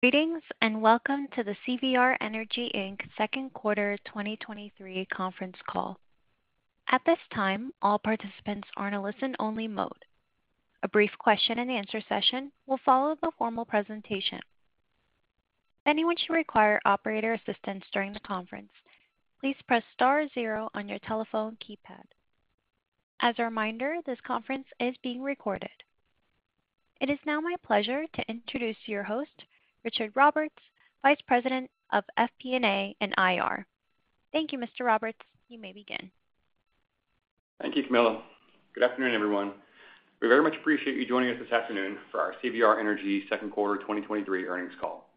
Greetings, Welcome to the CVR Energy Inc. Second Quarter 2023 conference call. At this time, all participants are in a listen-only mode. A brief question-and-answer session will follow the formal presentation. If anyone should require operator assistance during the conference, please press star zero on your telephone keypad. As a reminder, this conference is being recorded. It is now my pleasure to introduce your host, Richard Roberts, Vice President of FP&A and IR. Thank you, Mr. Roberts. You may begin. Thank you, Camilla. Good afternoon, everyone. We very much appreciate you joining us this afternoon for our CVR Energy second quarter 2023 earnings call.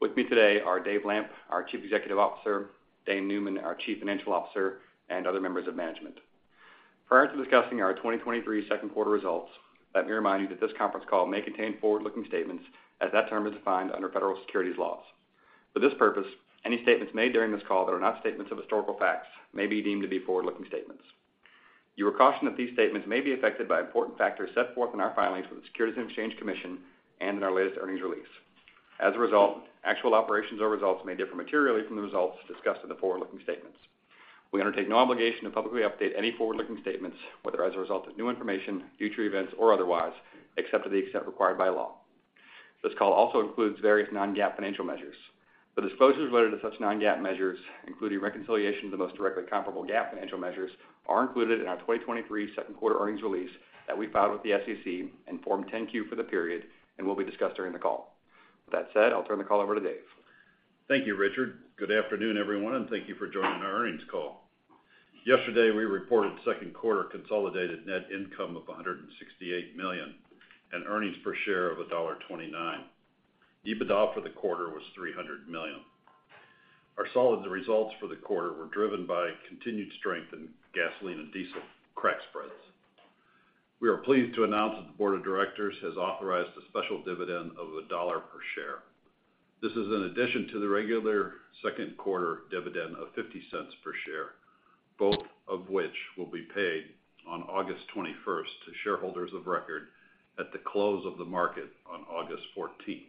With me today are Dave Lamp, our Chief Executive Officer, Dane Neumann, our Chief Financial Officer, and other members of management. Prior to discussing our 2023 second quarter results, let me remind you that this conference call may contain forward-looking statements as that term is defined under federal securities laws. For this purpose, any statements made during this call that are not statements of historical facts may be deemed to be forward-looking statements. You are cautioned that these statements may be affected by important factors set forth in our filings with the Securities and Exchange Commission and in our latest earnings release. Actual operations or results may differ materially from the results discussed in the forward-looking statements. We undertake no obligation to publicly update any forward-looking statements, whether as a result of new information, future events, or otherwise, except to the extent required by law. This call also includes various non-GAAP financial measures. The disclosures related to such non-GAAP measures, including reconciliation of the most directly comparable GAAP financial measures, are included in our 2023 second quarter earnings release that we filed with the SEC and Form 10-Q for the period and will be discussed during the call. With that said, I'll turn the call over to Dave. Thank you, Richard. Good afternoon, everyone, and thank you for joining our earnings call. Yesterday, we reported second quarter consolidated net income of $168 million and earnings per share of $1.29. EBITDA for the quarter was $300 million. Our solid results for the quarter were driven by continued strength in gasoline and diesel crack spreads. We are pleased to announce that the board of directors has authorized a special dividend of $1 per share. This is in addition to the regular second quarter dividend of $0.50 per share, both of which will be paid on August 21st to shareholders of record at the close of the market on August 14th.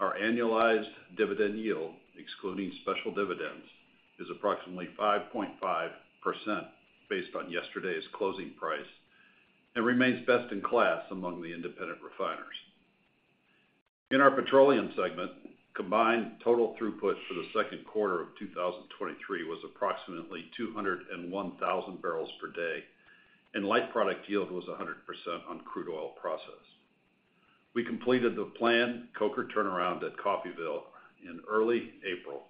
Our annualized dividend yield, excluding special dividends, is approximately 5.5% based on yesterday's closing price, and remains best-in-class among the independent refiners. In our petroleum segment, combined total throughput for the second quarter of 2023 was approximately 201,000 barrels per day, and light product yield was 100% on crude oil processed. We completed the planned coker turnaround at Coffeyville in early April,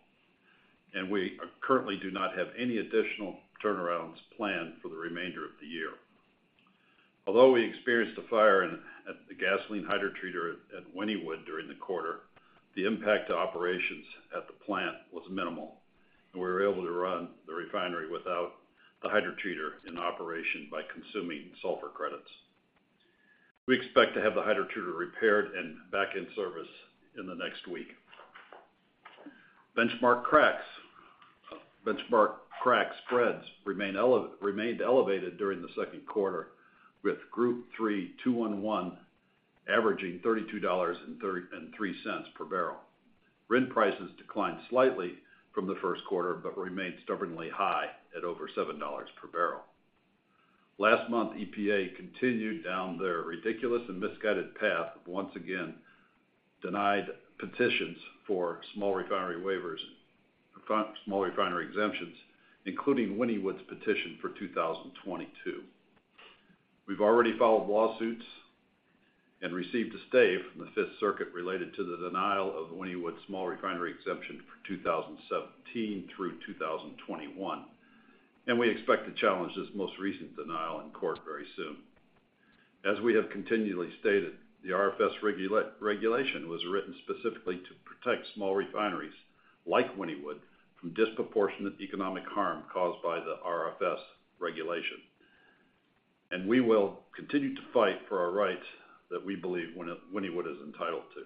and we currently do not have any additional turnarounds planned for the remainder of the year. Although we experienced a fire at the gasoline hydrotreater at Wynnewood during the quarter, the impact to operations at the plant was minimal, and we were able to run the refinery without the hydrotreater in operation by consuming sulfur credits. We expect to have the hydrotreater repaired and back in service in the next week. Benchmark cracks, benchmark crack spreads remained elevated during the second quarter, with Group 3 2-1-1 averaging $32.03 per barrel. RIN prices declined slightly from the first quarter, but remained stubbornly high at over $7 per barrel. Last month, EPA continued down their ridiculous and misguided path, once again, denied petitions for Small Refinery Exemptions, including Wynnewood's petition for 2022. We've already filed lawsuits and received a stay from the Fifth Circuit related to the denial of the Wynnewood Small Refinery Exemption for 2017-2021. We expect to challenge this most recent denial in court very soon. As we have continually stated, the RFS regulation was written specifically to protect small refineries, like Wynnewood, from disproportionate economic harm caused by the RFS regulation. We will continue to fight for our rights that we believe Wynnewood is entitled to.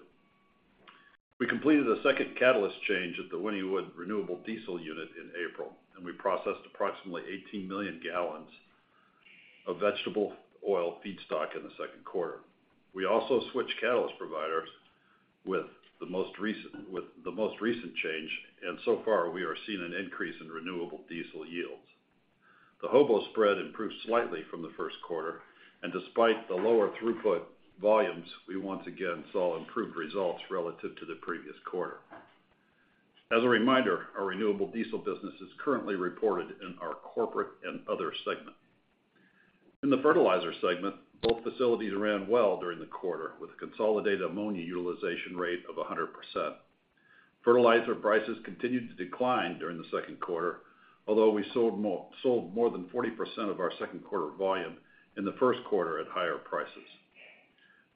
We completed a second catalyst change at the Wynnewood Renewable Diesel unit in April, and we processed approximately 18 million gallons of vegetable oil feedstock in the second quarter. We also switched catalyst providers with the most recent change, and so far, we are seeing an increase in renewable diesel yields. The HOBO spread improved slightly from the first quarter, and despite the lower throughput volumes, we once again saw improved results relative to the previous quarter. As a reminder, our renewable diesel business is currently reported in our corporate and other segment. In the fertilizer segment, both facilities ran well during the quarter, with a consolidated ammonia utilization rate of 100%. Fertilizer prices continued to decline during the second quarter, although we sold more, sold more than 40% of our second quarter volume in the first quarter at higher prices.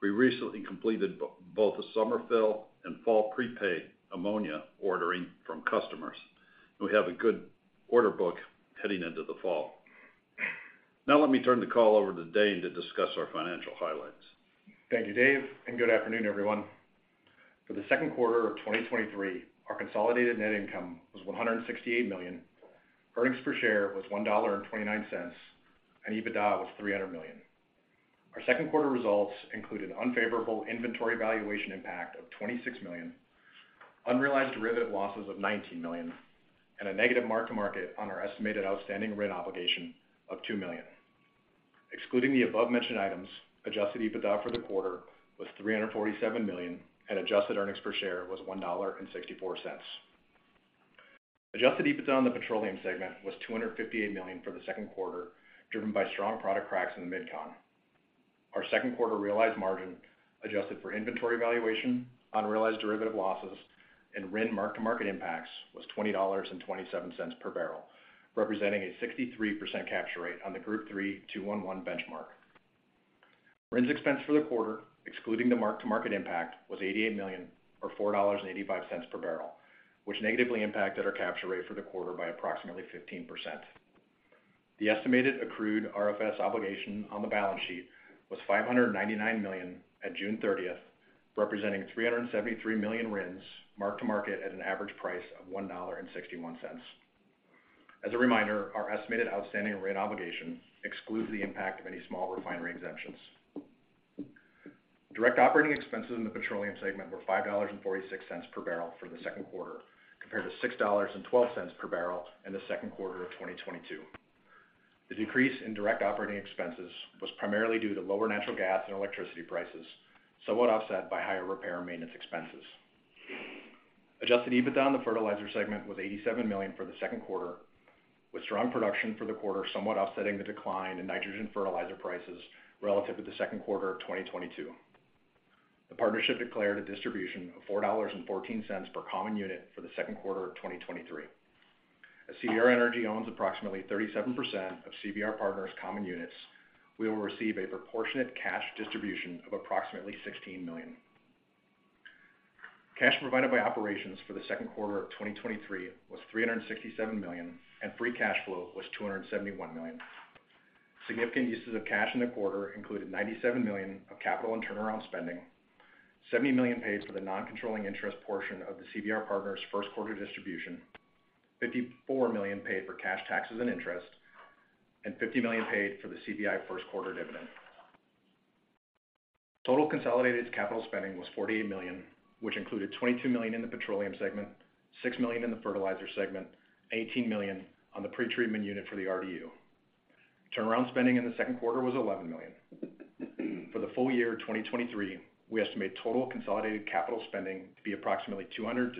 We recently completed both a summer fill and fall prepaid ammonia ordering from customers. We have a good order book heading into the fall. Let me turn the call over to Dane to discuss our financial highlights. Thank you, Dave, and good afternoon, everyone. For the second quarter of 2023, our consolidated net income was $168 million, earnings per share was $1.29, and EBITDA was $300 million. Our second quarter results included unfavorable inventory valuation impact of $26 million, unrealized derivative losses of $19 million, and a negative mark-to-market on our estimated outstanding RIN obligation of $2 million. Excluding the above-mentioned items, adjusted EBITDA for the quarter was $347 million, and adjusted earnings per share was $1.64. Adjusted EBITDA on the petroleum segment was $258 million for the second quarter, driven by strong product cracks in the mid-con. Our second quarter realized margin, adjusted for inventory valuation, unrealized derivative losses, and RIN mark-to-market impacts, was $20.27 per barrel, representing a 63% capture rate on the Group 3 2-1-1 benchmark. RINs expense for the quarter, excluding the mark-to-market impact, was $88 million or $4.85 per barrel, which negatively impacted our capture rate for the quarter by approximately 15%. The estimated accrued RFS obligation on the balance sheet was $599 million at June 30th, representing 373 million RINs, mark-to-market at an average price of $1.61. As a reminder, our estimated outstanding RIN obligation excludes the impact of any Small Refinery Exemptions. Direct operating expenses in the petroleum segment were $5.46 per barrel for the second quarter, compared to $6.12 per barrel in the second quarter of 2022. The decrease in direct operating expenses was primarily due to lower natural gas and electricity prices, somewhat offset by higher repair and maintenance expenses. Adjusted EBITDA on the fertilizer segment was $87 million for the second quarter, with strong production for the quarter, somewhat offsetting the decline in nitrogen fertilizer prices relative to the second quarter of 2022. The partnership declared a distribution of $4.14 per common unit for the second quarter of 2023. As CVR Energy owns approximately 37% of CVR Partners' common units, we will receive a proportionate cash distribution of approximately $16 million. Cash provided by operations for the second quarter of 2023 was $367 million, and free cash flow was $271 million. Significant uses of cash in the quarter included $97 million of capital and turnaround spending, $70 million paid for the non-controlling interest portion of the CVR Partners' first quarter distribution, $54 million paid for cash, taxes, and interest, and $50 million paid for the CVI first quarter dividend. Total consolidated capital spending was $48 million, which included $22 million in the petroleum segment, $6 million in the fertilizer segment, $18 million on the pretreatment unit for the RDU. Turnaround spending in the second quarter was $11 million. For the full year of 2023, we estimate total consolidated capital spending to be approximately $200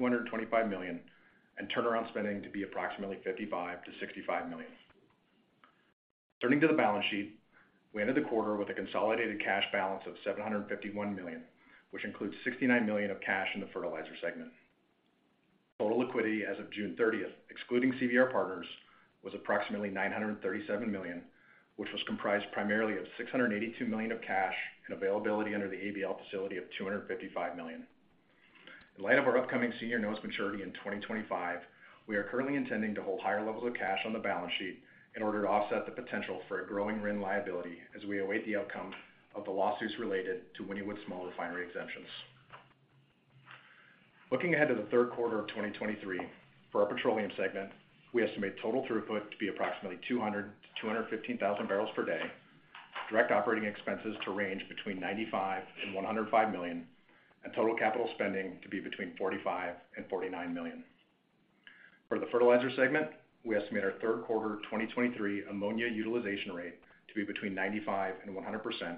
million-$225 million, and turnaround spending to be approximately $55 million-$65 million. Turning to the balance sheet, we ended the quarter with a consolidated cash balance of $751 million, which includes $69 million of cash in the fertilizer segment. Total liquidity as of June thirtieth, excluding CVR Partners, was approximately $937 million, which was comprised primarily of $682 million of cash and availability under the ABL facility of $255 million. In light of our upcoming senior notes maturity in 2025, we are currently intending to hold higher levels of cash on the balance sheet in order to offset the potential for a growing RIN liability as we await the outcome of the lawsuits related to Wynnewood Small Refinery exemptions. Looking ahead to the third quarter of 2023, for our petroleum segment, we estimate total throughput to be approximately 200,000-215,000 barrels per day, direct operating expenses to range between $95 million and $105 million, and total capital spending to be between $45 million and $49 million. For the fertilizer segment, we estimate our third quarter 2023 ammonia utilization rate to be between 95% and 100%,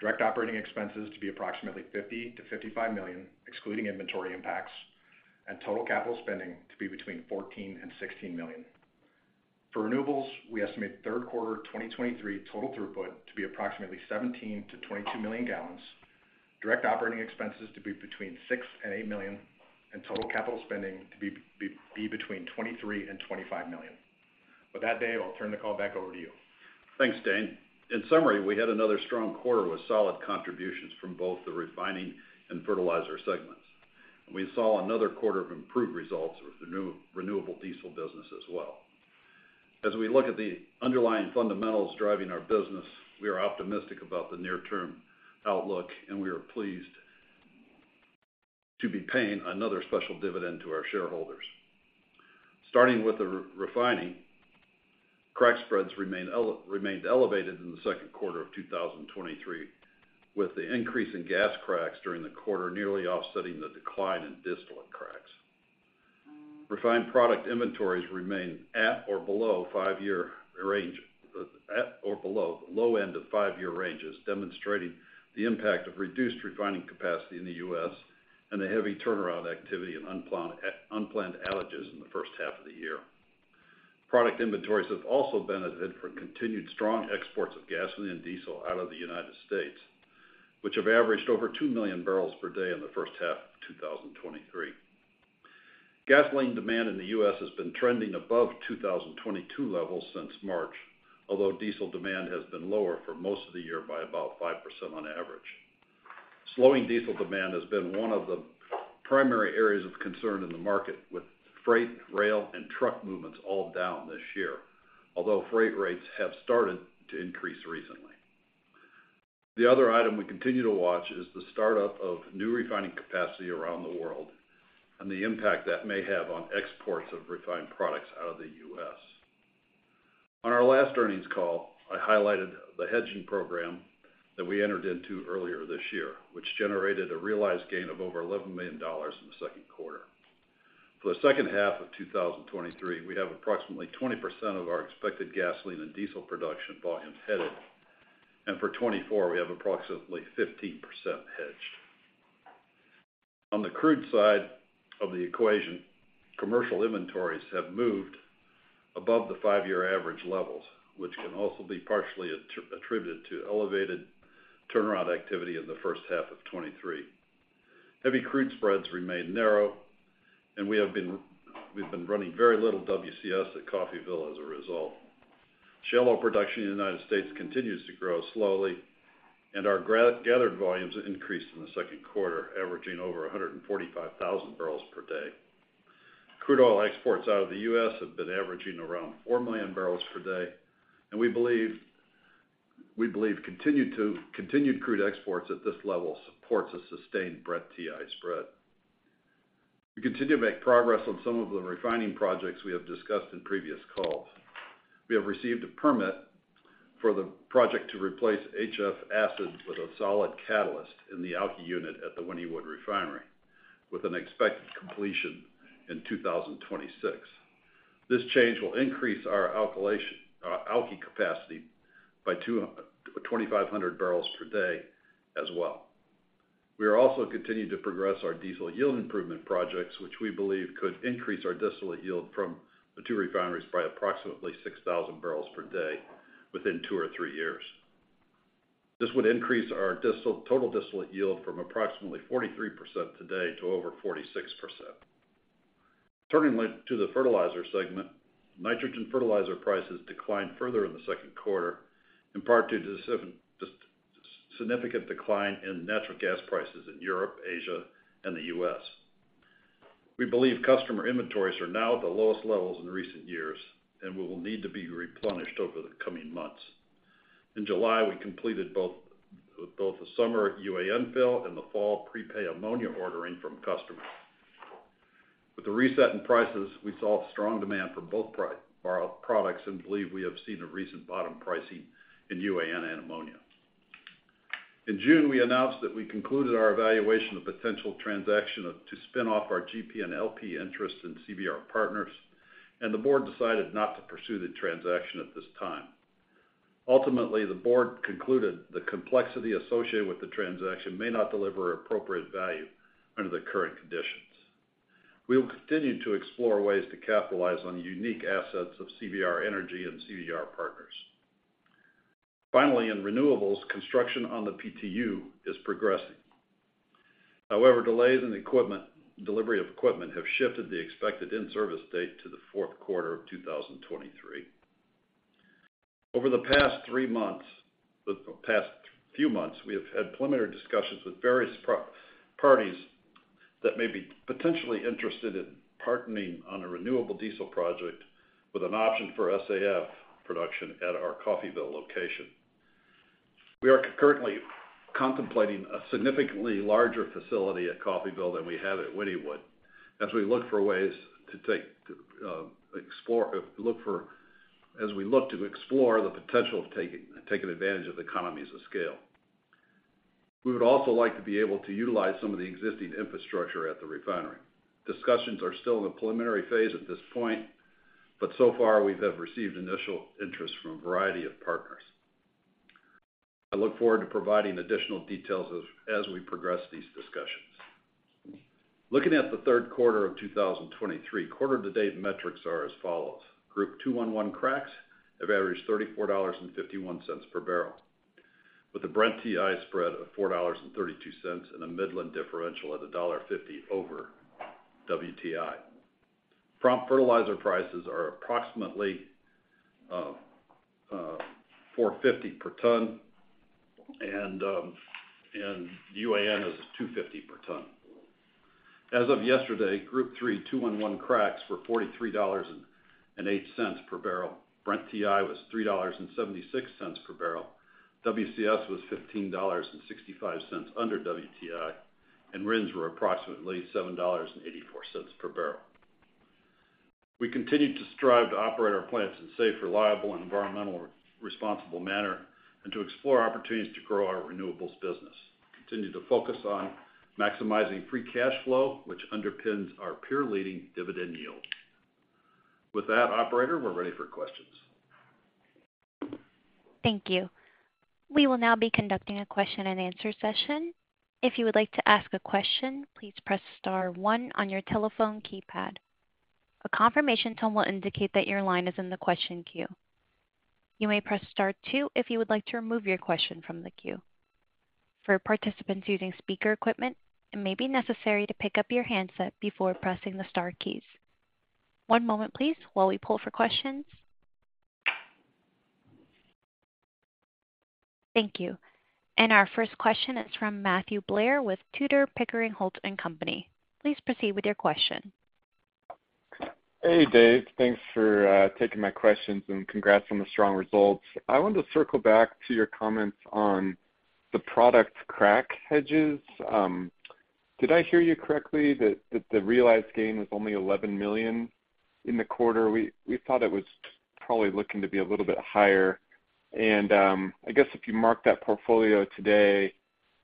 direct operating expenses to be approximately $50 million-$55 million, excluding inventory impacts, and total capital spending to be between $14 million and $16 million. For renewables, we estimate third quarter 2023 total throughput to be approximately 17 million-22 million gallons, direct operating expenses to be between $6 million and $8 million, and total capital spending to be between $23 million and $25 million. With that, Dave, I'll turn the call back over to you. Thanks, Dane. In summary, we had another strong quarter with solid contributions from both the refining and fertilizer segments. We saw another quarter of improved results with the new renewable diesel business as well. As we look at the underlying fundamentals driving our business, we are optimistic about the near-term outlook, and we are pleased to be paying another special dividend to our shareholders. Starting with the refining, crack spreads remained elevated in the second quarter of 2023, with the increase in gas cracks during the quarter nearly offsetting the decline in distillate cracks. Refined product inventories remain at or below the low end of five-year ranges, demonstrating the impact of reduced refining capacity in the US and the heavy turnaround activity and unplanned unplanned outages in the first half of the year. Product inventories have also benefited from continued strong exports of gasoline and diesel out of the United States, which have averaged over 2 million barrels per day in the first half of 2023. Gasoline demand in the US has been trending above 2022 levels since March, although diesel demand has been lower for most of the year by about 5% on average. Slowing diesel demand has been one of the primary areas of concern in the market, with freight, rail, and truck movements all down this year, although freight rates have started to increase recently. The other item we continue to watch is the startup of new refining capacity around the world and the impact that may have on exports of refined products out of the U.S. On our last earnings call, I highlighted the hedging program that we entered into earlier this year, which generated a realized gain of over $11 million in the second quarter. For the second half of 2023, we have approximately 20% of our expected gasoline and diesel production volumes hedged. For 2024, we have approximately 15% hedged. On the crude side of the equation, commercial inventories have moved above the five-year average levels, which can also be partially attributed to elevated turnaround activity in the first half of 2023. Heavy crude spreads remain narrow and we've been running very little WCS at Coffeyville as a result. Shale oil production in the United States continues to grow slowly. Our gathered volumes increased in the second quarter, averaging over 145,000 barrels per day. Crude oil exports out of the U.S. have been averaging around 4 million barrels per day, and we believe, we believe continued crude exports at this level supports a sustained Brent WTI spread. We continue to make progress on some of the refining projects we have discussed in previous calls. We have received a permit for the project to replace HF acid with a solid catalyst in the alky unit at the Wynnewood Refinery, with an expected completion in 2026. This change will increase our alkylation, alky capacity by 2,500 barrels per day as well. We are also continuing to progress our diesel yield improvement projects, which we believe could increase our distillate yield from the 2 refineries by approximately 6,000 barrels per day within 2 or 3 years. This would increase our total distillate yield from approximately 43% today to over 46%. Turning to the fertilizer segment, nitrogen fertilizer prices declined further in the second quarter, in part due to the significant decline in natural gas prices in Europe, Asia, and the U.S. We believe customer inventories are now at the lowest levels in recent years and will need to be replenished over the coming months. In July, we completed both, both the summer UAN fill and the fall prepay ammonia ordering from customers. With the reset in prices, we saw strong demand for both products and believe we have seen a recent bottom pricing in UAN and ammonia. In June, we announced that we concluded our evaluation of potential transaction to spin off our GP and LP interests in CVR Partners. The board decided not to pursue the transaction at this time. Ultimately, the board concluded the complexity associated with the transaction may not deliver appropriate value under the current conditions. We will continue to explore ways to capitalize on the unique assets of CVR Energy and CVR Partners. Finally, in renewables, construction on the PTU is progressing. However, delays in equipment delivery of equipment have shifted the expected in-service date to the fourth quarter of 2023. Over the past few months, we have had preliminary discussions with various parties that may be potentially interested in partnering on a renewable diesel project with an option for SAF production at our Coffeyville location. We are currently contemplating a significantly larger facility at Coffeyville than we have at Wynnewood as we look for ways to take as we look to explore the potential of taking advantage of the economies of scale. We would also like to be able to utilize some of the existing infrastructure at the refinery. Discussions are still in the preliminary phase at this point, but so far we have received initial interest from a variety of partners. I look forward to providing additional details as we progress these discussions. Looking at the third quarter of 2023, quarter-to-date metrics are as follows: Group 2-1-1 cracks have averaged $34.51 per barrel, with a Brent WTI spread of $4.32, and a Midland differential at $1.50 over WTI. Front fertilizer prices are approximately $450 per ton and UAN is $250 per ton. As of yesterday, Group 3 2-1-1 cracks were $43.08 per barrel. Brent WTI was $3.76 per barrel. WCS was $15.65 under WTI, and RINs were approximately $7.84 per barrel. We continue to strive to operate our plants in safe, reliable, and environmental responsible manner, and to explore opportunities to grow our renewables business. Continue to focus on maximizing free cash flow, which underpins our peer-leading dividend yield. With that, operator, we're ready for questions. Thank you. We will now be conducting a question-and-answer session. If you would like to ask a question, please press star one on your telephone keypad. A confirmation tone will indicate that your line is in the question queue. You may press star two if you would like to remove your question from the queue. For participants using speaker equipment, it may be necessary to pick up your handset before pressing the star keys. One moment please, while we pull for questions. Thank you. Our first question is from Matthew Blair with Tudor, Pickering, Holt & Co, please proceed with your question. Hey, Dave, thanks for taking my questions, and congrats on the strong results. I want to circle back to your comments on the product crack hedges. Did I hear you correctly, that, that the realized gain was only $11 million in the quarter? We, we thought it was probably looking to be a little bit higher. And, I guess if you mark that portfolio today,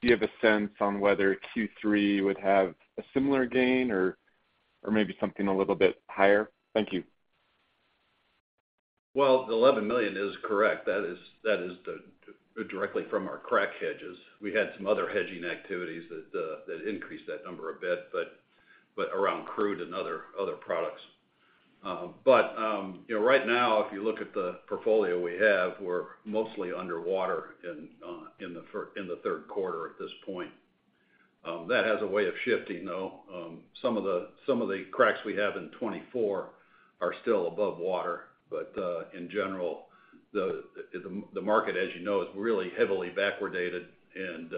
do you have a sense on whether Q3 would have a similar gain or, or maybe something a little bit higher? Thank you. The $11 million is correct. That is directly from our crack hedges. We had some other hedging activities that increased that number a bit, but around crude and other products. You know, right now, if you look at the portfolio we have, we're mostly underwater in the third quarter at this point. That has a way of shifting, though. Some of the cracks we have in 2024 are still above water, but in general, the market, as you know, is really heavily backwardated, and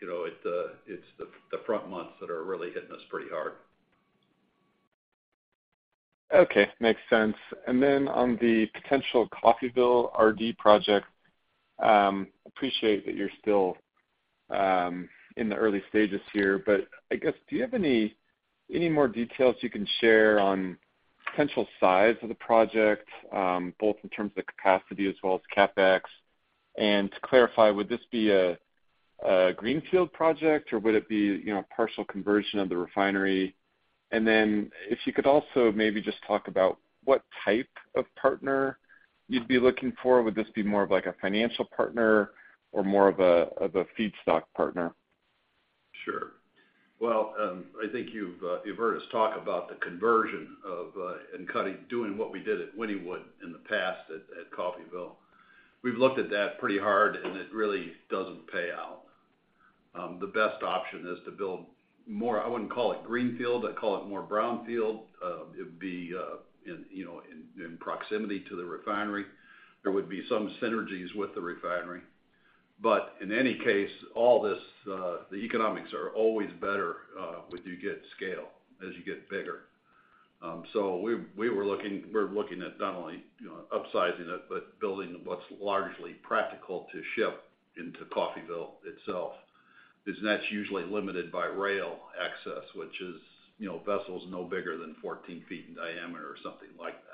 you know, it's the front months that are really hitting us pretty hard. Okay, makes sense. Then on the potential Coffeyville RD project, appreciate that you're still in the early stages here. I guess, do you have any, any more details you can share on potential size of the project, both in terms of the capacity as well as CapEx? To clarify, would this be a, a greenfield project, or would it be, you know, a partial conversion of the refinery? Then if you could also maybe just talk about what type of partner you'd be looking for? Would this be more of like a financial partner or more of a, of a feedstock partner? Sure. Well, I think you've, you've heard us talk about the conversion of, and doing what we did at Wynnewood in the past, at, at Coffeyville. We've looked at that pretty hard, and it really doesn't pay out. The best option is to build more, I wouldn't call it greenfield, I'd call it more brownfield. It would be, in, you know, in, in proximity to the refinery. There would be some synergies with the refinery. In any case, all this, the economics are always better, when you get scale, as you get bigger. We, we were looking-- we're looking at not only, you know, upsizing it, but building what's largely practical to ship into Coffeyville itself, because that's usually limited by rail access, which is, you know, vessels no bigger than 14 feet in diameter or something like that.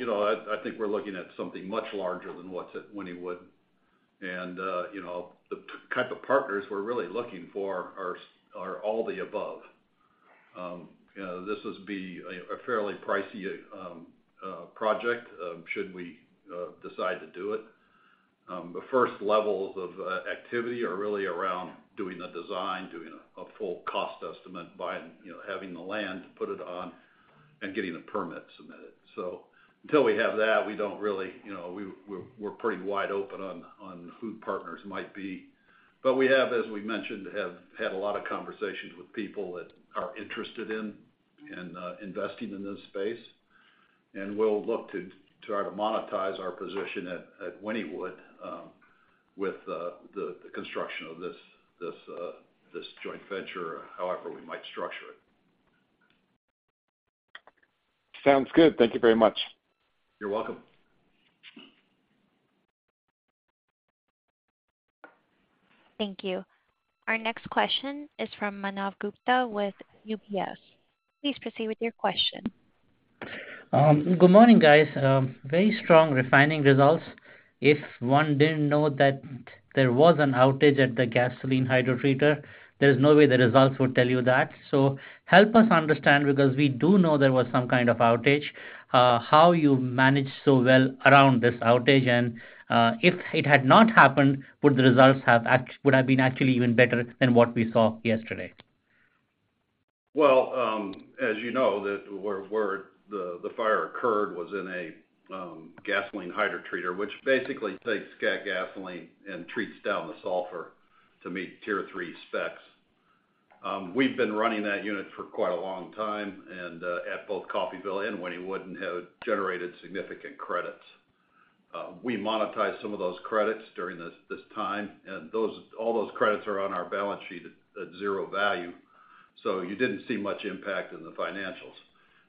You know, I, I think we're looking at something much larger than what's at Wynnewood. You know, the type of partners we're really looking for, are all the above. This would be a, a fairly pricey project, should we decide to do it. The first levels of activity are really around doing the design, doing a, a full cost estimate, buying, you know, having the land to put it on, and getting the permits submitted. Until we have that, we don't really, you know, we, we're, we're pretty wide open on who partners might be. We have, as we mentioned, have had a lot of conversations with people that are interested in investing in this space. We'll look to try to monetize our position at Wynnewood with the construction of this, this joint venture, however we might structure it. Sounds good. Thank you very much. You're welcome. Thank you. Our next question is from Manav Gupta with UBS. Please proceed with your question. Good morning, guys, very strong refining results. If one didn't know that there was an outage at the gasoline hydrotreater, there's no way the results would tell you that. Help us understand, because we do know there was some kind of outage, how you managed so well around this outage, and, if it had not happened, would the results have actually even better than what we saw yesterday? Well, as you know, the, where, where the, the fire occurred was in a gasoline hydrotreater, which basically takes gasoline and treats down the sulfur to meet Tier 3 specs. We've been running that unit for quite a long time, at both Coffeyville and Wynnewood, and have generated significant credits. We monetized some of those credits during this, this time, all those credits are on our balance sheet at zero value, so you didn't see much impact in the financials.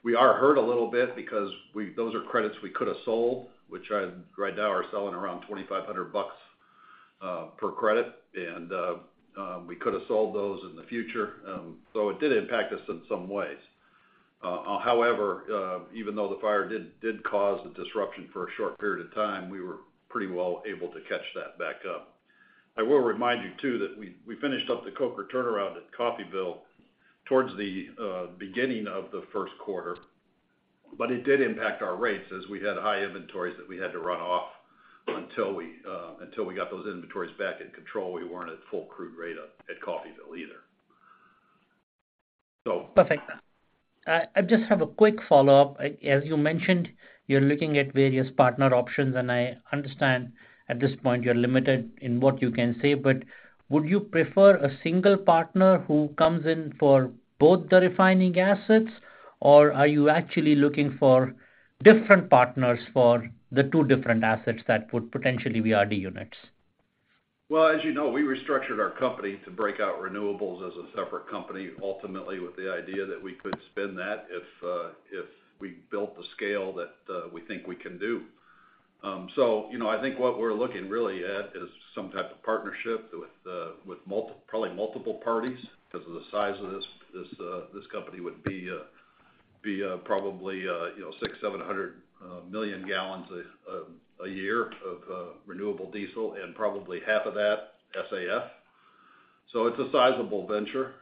We are hurt a little bit because those are credits we could have sold, which are, right now are selling around $2,500 per credit, we could have sold those in the future. It did impact us in some ways. However, even though the fire did, did cause a disruption for a short period of time, we were pretty well able to catch that back up. I will remind you, too, that we, we finished up the coker turnaround at Coffeyville towards the beginning of the first quarter, but it did impact our rates, as we had high inventories that we had to run off. Until we, until we got those inventories back in control, we weren't at full crude rate at, at Coffeyville either. Perfect. I just have a quick follow-up. As you mentioned, you're looking at various partner options, and I understand at this point you're limited in what you can say, but would you prefer a single partner who comes in for both the refining assets, or are you actually looking for different partners for the two different assets that would potentially be RD units? Well, as you know, we restructured our company to break out renewables as a separate company, ultimately, with the idea that we could spin that if we built the scale that we think we can do. You know, I think what we're looking really at is some type of partnership with multiple parties because of the size of this, this company would be probably, you know, 600-700 million gallons a year of renewable diesel and probably half of that SAF. It's a sizable venture,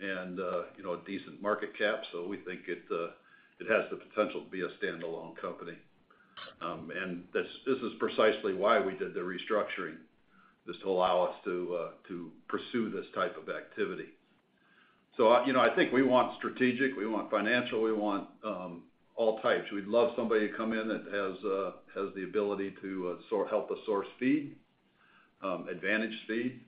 and, you know, a decent market cap, so we think it has the potential to be a standalone company and this, this is precisely why we did the restructuring. This will allow us to to pursue this type of activity. You know, I think we want strategic, we want financial, we want all types. We'd love somebody to come in that has has the ability to help us source feed, advantage feed.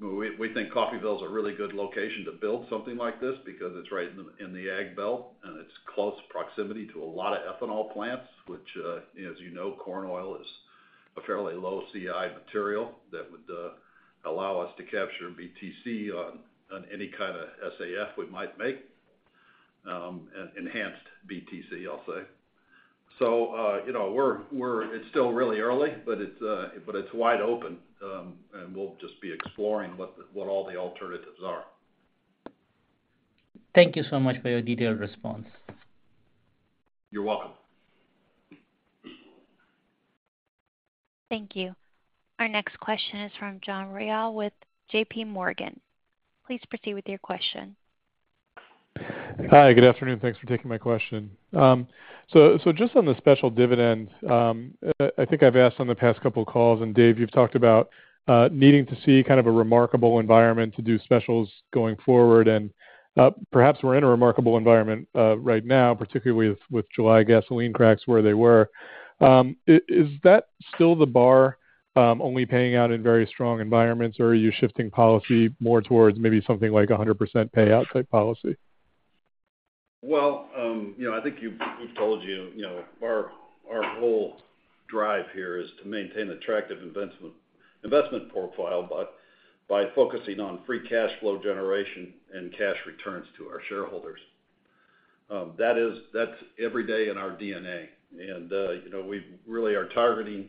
We, we think Coffeyville is a really good location to build something like this because it's right in the, in the Ag Belt, and it's close proximity to a lot of ethanol plants, which, as you know, corn oil is a fairly low CI material that would allow us to capture VTC on, on any kind of SAF we might make, and enhanced VTC, I'll say, you know, it's still really early, but it's, but it's wide open, and we'll just be exploring what the, what all the alternatives are. Thank you so much for your detailed response. You're welcome. Thank you. Our next question is from John Royall with JPMorgan. Please proceed with your question. Hi, good afternoon. Thanks for taking my question. Just on the special dividend, I think I've asked on the past couple of calls, and Dave, you've talked about needing to see kind of a remarkable environment to do specials going forward, and perhaps we're in a remarkable environment right now, particularly with July gasoline cracks where they were. Is that still the bar, only paying out in very strong environments, or are you shifting policy more towards maybe something like a 100% payout type policy? You know, I think you, we've told you, you know, our, our whole drive here is to maintain attractive investment, investment profile by, by focusing on free cash flow generation and cash returns to our shareholders. That's every day in our DNA. You know, we really are targeting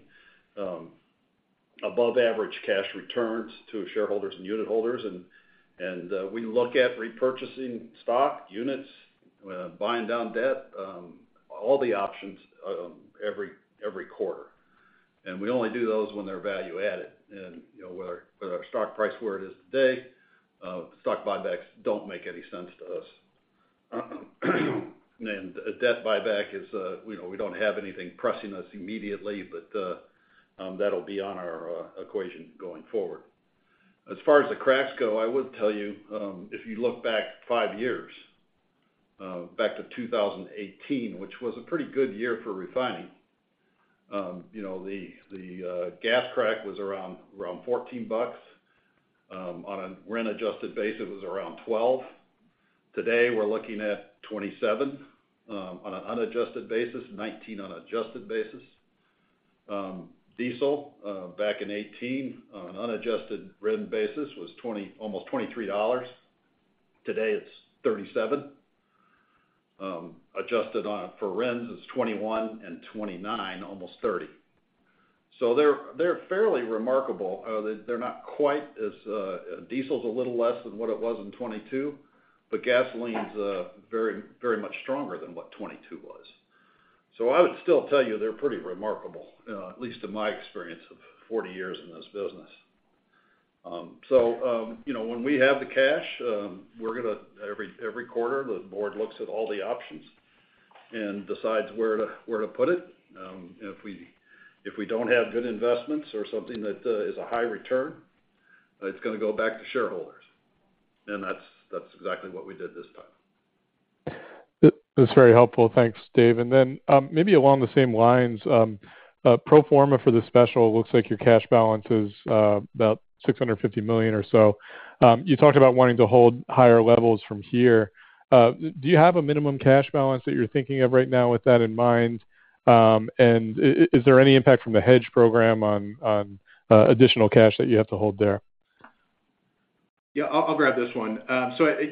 above average cash returns to shareholders and unitholders, and we look at repurchasing stock, units, buying down debt, all the options every quarter. We only do those when they're value added. You know, with our, with our stock price where it is today, stock buybacks don't make any sense to us. A debt buyback is, you know, we don't have anything pressing us immediately, but that'll be on our equation going forward. As far as the cracks go, I would tell you, if you look back 5 years, back to 2018, which was a pretty good year for refining, you know, the gas crack was around $14. On a RIN-adjusted basis, it was around $12. Today, we're looking at $27 on an unadjusted basis, $19 on an adjusted basis. Diesel back in 2018, on an unadjusted RIN basis, was almost $23. Today, it's $37. Adjusted on it for RINs, it's $21 and $29, almost $30. They're fairly remarkable. They're not quite as, diesel's a little less than what it was in 2022, but gasoline's very, very much stronger than what 2022 was. I would still tell you they're pretty remarkable, at least in my experience of 40 years in this business. You know, when we have the cash, we're gonna every, every quarter, the board looks at all the options and decides where to, where to put it. If we, if we don't have good investments or something that is a high return, it's gonna go back to shareholders. That's, that's exactly what we did this time. That's very helpful. Thanks, Dave. Maybe along the same lines, pro forma for the special, it looks like your cash balance is about $650 million or so. You talked about wanting to hold higher levels from here. Do you have a minimum cash balance that you're thinking of right now with that in mind? Is there any impact from the hedge program on additional cash that you have to hold there? Yeah, I'll, I'll grab this one.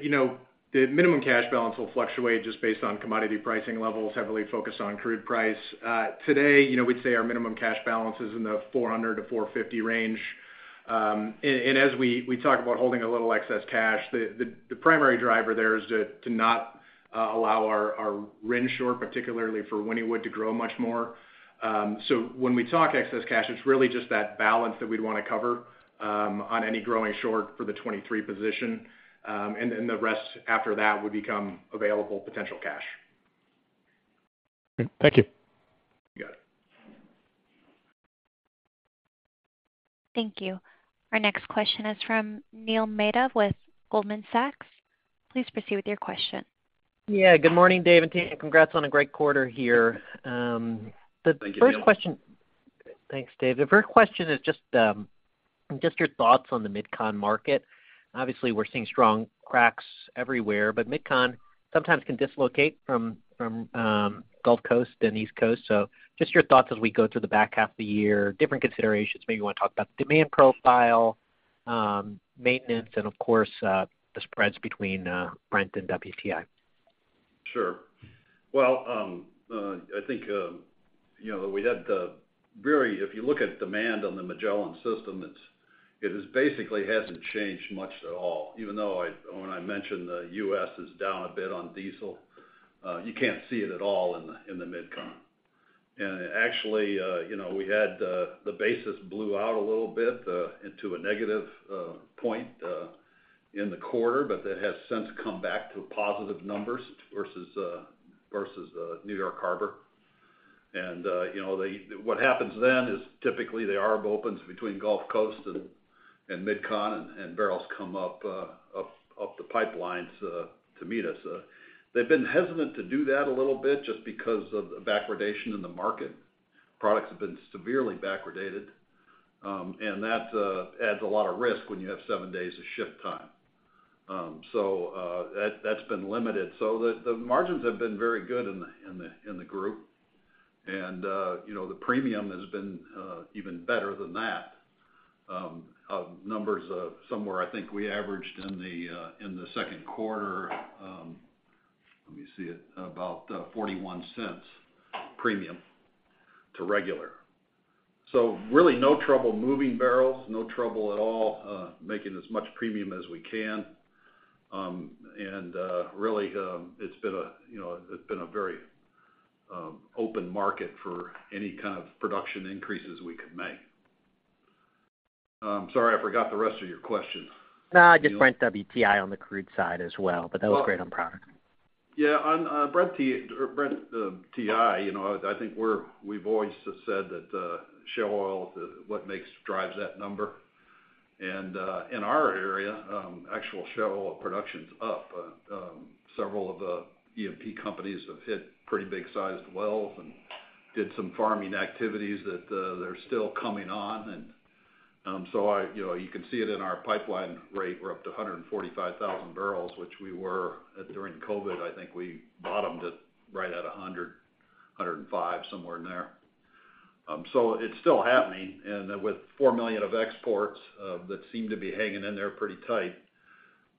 You know, the minimum cash balance will fluctuate just based on commodity pricing levels, heavily focused on crude price. Today, you know, we'd say our minimum cash balance is in the $400-$450 range. As we, we talk about holding a little excess cash, the, the, the primary driver there is to, to not allow our, our RIN short, particularly for Wynnewood, to grow much more. When we talk excess cash, it's really just that balance that we'd wanna cover on any growing short for the 23 position. The rest after that would become available potential cash. Thank you. You got it. Thank you. Our next question is from Neil Mehta with Goldman Sachs. Please proceed with your question. Yeah, good morning, Dave and team. Congrats on a great quarter here. Thank you, Neil. Thanks, Dave. The first question is just, just your thoughts on the MidCon market. Obviously, we're seeing strong cracks everywhere, but MidCon sometimes can dislocate from Gulf Coast and East Coast. Just your thoughts as we go through the back half of the year, different considerations. Maybe you wanna talk about demand profile, maintenance and of course, the spreads between, Brent and WTI. Sure. Well, I think, you know, we had very, if you look at demand on the Magellan system, it's, it is basically hasn't changed much at all. Even though when I mentioned the U.S. is down a bit on diesel, you can't see it at all in the, in the MidCon. Actually, you know, we had the basis blew out a little bit into a negative point in the quarter, but that has since come back to positive numbers versus versus New York Harbor. You know, what happens then is typically the arb opens between Gulf Coast and MidCon, and barrels come up, up, up the pipelines to meet us. They've been hesitant to do that a little bit just because of the backwardation in the market. Products have been severely backwardated, and that adds a lot of risk when you have seven days of ship time. That, that's been limited. The margins have been very good in the group. You know, the premium has been even better than that. Of numbers of somewhere, I think we averaged in the second quarter, let me see, about $0.41 premium to regular. Really no trouble moving barrels, no trouble at all, making as much premium as we can. Really, it's been a, you know, it's been a very open market for any kind of production increases we could make. I'm sorry, I forgot the rest of your question. Just Brent WTI on the crude side as well, but that was great on product. Yeah, on Brent or Brent TI, you know, I think we're we've always just said that shale oil is what makes drives that number. In our area, actual shale oil production's up. Several of the E&P companies have hit pretty big sized wells and did some farming activities that they're still coming on. I, you know, you can see it in our pipeline rate. We're up to 145,000 barrels, which we were during COVID, I think we bottomed it right at 100, 105, somewhere in there. It's still happening, and with 4 million of exports that seem to be hanging in there pretty tight,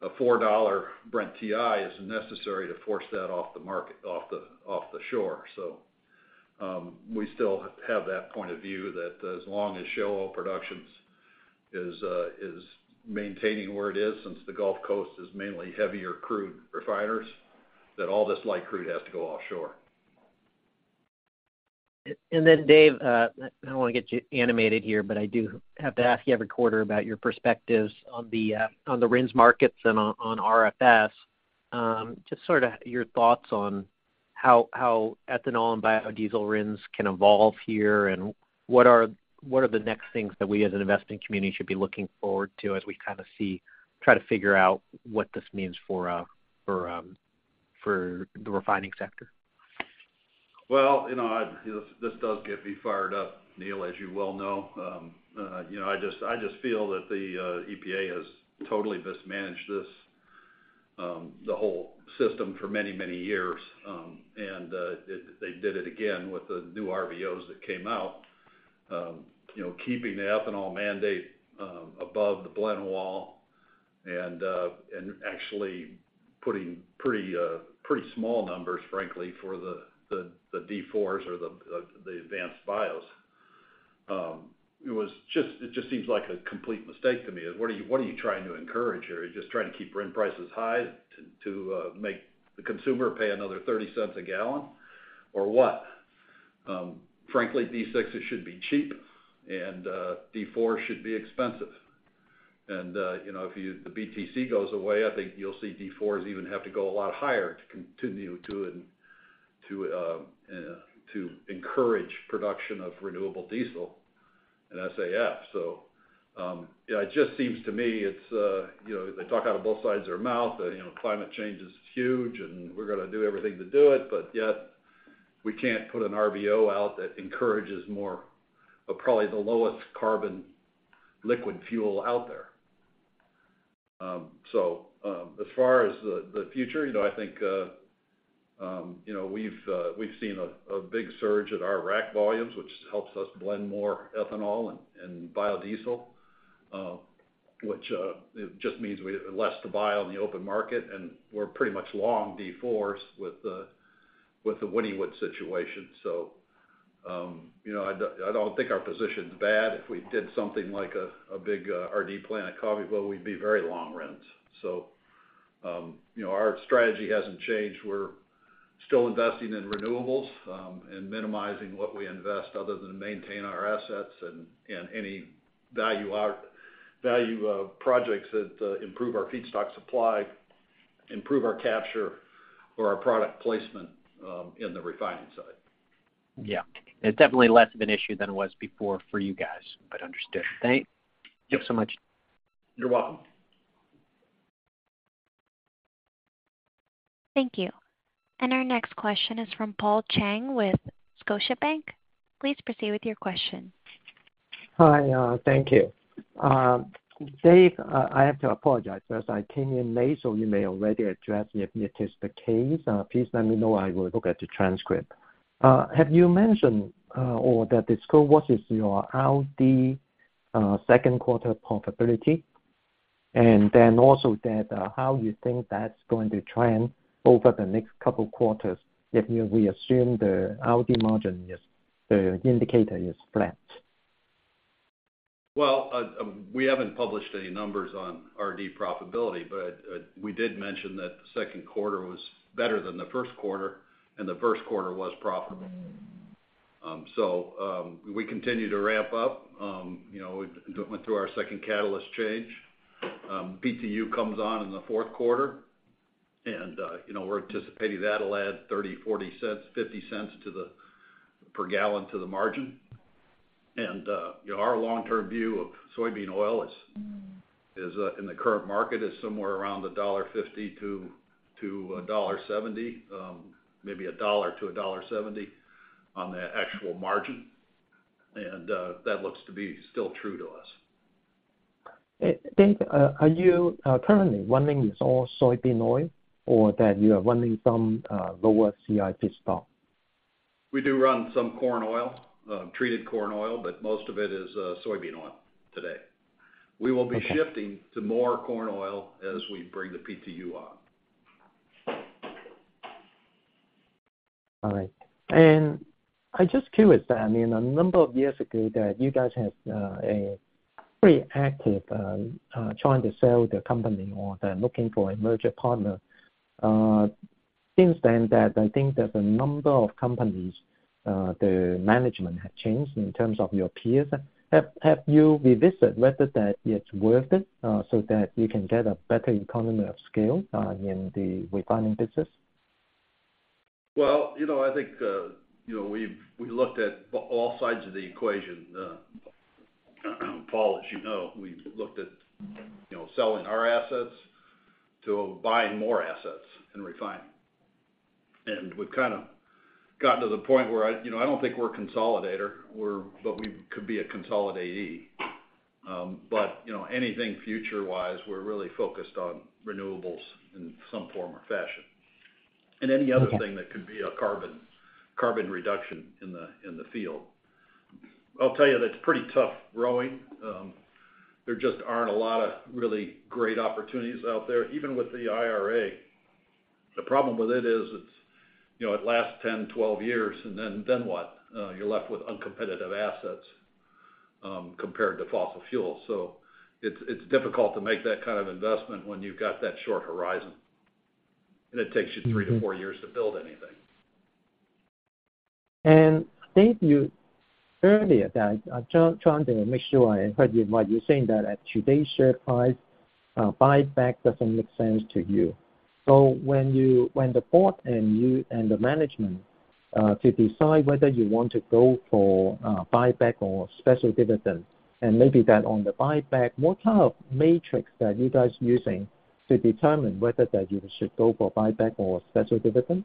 a $4 Brent WTI is necessary to force that off the market, off the, off the shore. We still have that point of view that as long as shale oil production is maintaining where it is, since the Gulf Coast is mainly heavier crude refiners, that all this light crude has to go offshore. Dave, I don't want to get you animated here, but I do have to ask you every quarter about your perspectives on the, on the RINs markets and on, on RFS. Just sort of your thoughts on how, how ethanol and biodiesel RINs can evolve here, and what are, what are the next things that we as an investing community should be looking forward to as we kind of try to figure out what this means for, for, for the refining sector? Well, you know, this, this does get me fired up, Neil, as you well know. You know, I just, I just feel that the EPA has totally mismanaged this, the whole system for many, many years. They did it again with the new RVOs that came out. You know, keeping the ethanol mandate above the blend wall and actually putting pretty small numbers, frankly, for the D4 or the advanced bios. It just seems like a complete mistake to me. What are you, what are you trying to encourage here? Are you just trying to keep RIN prices high to make the consumer pay another $0.30 a gallon or what? Frankly, D6 should be cheap, D4 should be expensive. You know, if you, the BTC goes away, I think you'll see D4 even have to go a lot higher to continue to, to encourage production of renewable diesel and SAF. Yeah, it just seems to me it's, you know, they talk out of both sides of their mouth. You know, climate change is huge, and we're gonna do everything to do it, but yet we can't put an RVO out that encourages more of probably the lowest carbon liquid fuel out there. As far as the, the future, you know, I think, you know, we've, we've seen a, a big surge at our rack volumes, which helps us blend more ethanol and, and biodiesel, which it just means we have less to buy on the open market, and we're pretty much long D4 with the, with the Wynnewood situation. You know, I don't, I don't think our position's bad. If we did something like a, a big RD plant at Coffeyville, we'd be very long RINs. You know, our strategy hasn't changed. We're still investing in renewables, and minimizing what we invest other than maintain our assets and, and any value projects that improve our feedstock supply, improve our capture or our product placement in the refining side. Yeah. It's definitely less of an issue than it was before for you guys, but understood. Thank you so much. You're welcome. Thank you. Our next question is from Paul Cheng with Scotiabank. Please proceed with your question. Hi, thank you. Dave, I have to apologize first. I came in late, so you may already addressed, if it is the case. Please let me know. I will look at the transcript. Have you mentioned, or that the score, what is your RD second quarter profitability? Also that, how you think that's going to trend over the next couple quarters, if you we assume the RD margin is, the indicator is flat? Well, we haven't published any numbers on RD profitability, but we did mention that the second quarter was better than the first quarter, and the first quarter was profitable. We continue to ramp up. You know, we went through our second catalyst change. BTU comes on in the fourth quarter, and, you know, we're anticipating that'll add $0.30, $0.40, $0.50 to the per gallon to the margin. Our long-term view of soybean oil is, is, in the current market, is somewhere around the $1.50-$1.70, maybe a $1.00-$1.70 on the actual margin. That looks to be still true to us. Dave, are you currently running with all soybean oil or that you are running some, lower CI stock? We do run some corn oil, treated corn oil, but most of it is soybean oil today. We will be shifting to more corn oil as we bring the PTU on. All right. I'm just curious, I mean, a number of years ago, that you guys had, a pretty active, trying to sell the company or then looking for a merger partner. Since then, that I think that the number of companies, the management had changed in terms of your peers. Have, have you revisited whether that it's worth it, so that you can get a better economy of scale, in the refining business? Well, you know, I think, you know, we looked at all sides of the equation. Paul, as you know, we've looked at, you know, selling our assets to buying more assets in refining. We've kind of gotten to the point where I, you know, I don't think we're a consolidator, but we could be a consolidatee. You know, anything future wise, we're really focused on renewables in some form or fashion, and any other thing that could be a carbon, carbon reduction in the field. I'll tell you that it's pretty tough growing. There just aren't a lot of really great opportunities out there, even with the IRA. The problem with it is, it's, you know, it lasts 10, 12 years, and then, then what? You're left with uncompetitive assets compared to fossil fuels. It's, it's difficult to make that kind of investment when you've got that short horizon, and it takes you three to four years to build anything. Dave, you earlier, that I try, trying to make sure I heard you right. You're saying that at today's share price, buyback doesn't make sense to you. When the board and you and the management to decide whether you want to go for buyback or special dividend, and maybe then on the buyback, what kind of metrics are you guys using to determine whether that you should go for buyback or special dividend?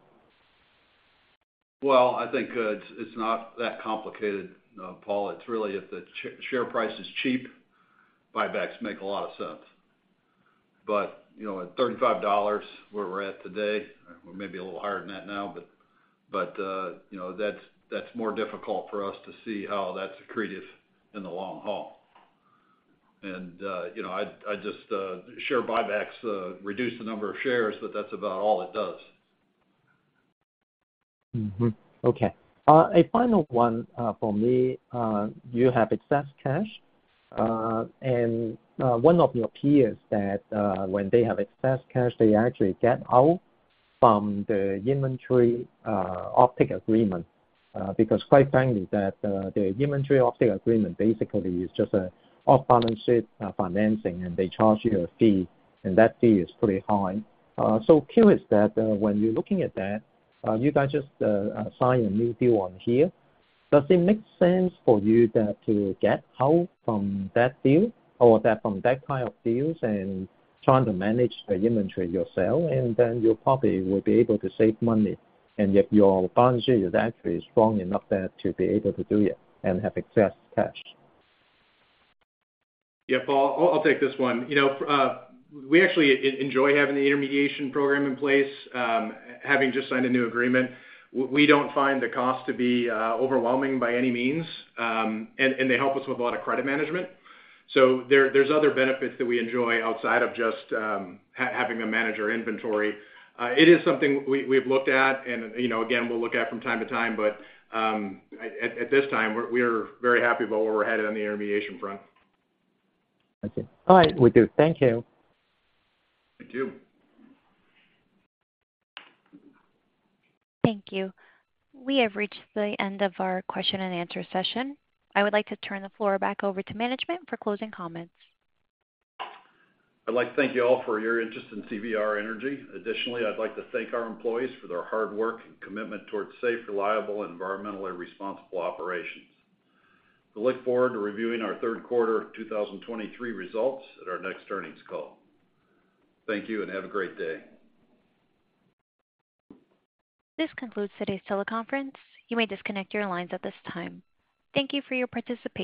Well, I think, it's, it's not that complicated, Paul. It's really if the share price is cheap, buybacks make a lot of sense. You know, at $35, where we're at today, we may be a little higher than that now, but, but, you know, that's, that's more difficult for us to see how that's accretive in the long haul. You know, I just, share buybacks, reduce the number of shares, but that's about all it does. Mm-hmm. Okay. A final one from me. You have excess cash, and one of your peers that, when they have excess cash, they actually get out from the inventory off-take agreement, because quite frankly, that the inventory off-take agreement basically is just a off-balance sheet financing, and they charge you a fee, and that fee is pretty high. Curious that, when you're looking at that, you guys just sign a new deal on here. Does it make sense for you then to get out from that deal or that from that kind of deals and trying to manage the inventory yourself, and then you probably will be able to save money, and yet your balance sheet is actually strong enough that to be able to do it and have excess cash? Yeah, Paul, I'll take this one. You know, we actually enjoy having the intermediation agreement in place, having just signed a new agreement. We don't find the cost to be overwhelming by any means, and they help us with a lot of credit management. There's other benefits that we enjoy outside of just having them manage our inventory. It is something we've looked at and, you know, again, we'll look at from time to time, but at this time, we're very happy about where we're headed on the intermediation front. Okay. All right, thank you. Thank you. Thank you. We have reached the end of our question and answer session. I would like to turn the floor back over to management for closing comments. I'd like to thank you all for your interest in CVR Energy. Additionally, I'd like to thank our employees for their hard work and commitment towards safe, reliable, and environmentally responsible operations. We look forward to reviewing our third quarter 2023 results at our next earnings call. Thank you, and have a great day. This concludes today's teleconference. You may disconnect your lines at this time. Thank you for your participation.